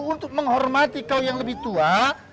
untuk menghormati kau yang lebih tua